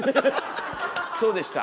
そうでした。